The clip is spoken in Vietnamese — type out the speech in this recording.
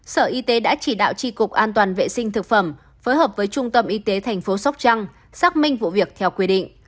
sở y tế đã chỉ đạo tri cục an toàn vệ sinh thực phẩm phối hợp với trung tâm y tế tp sóc trăng xác minh vụ việc theo quy định